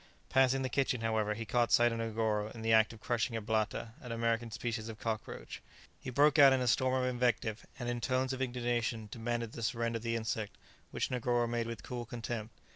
Passing the kitchen, however, he caught sight of Negoro in the act of crushing a blatta, an American species of cockroach. He broke out into a storm of invective, and in tones of indignation demanded the surrender of the insect, which Negoro made with cool contempt.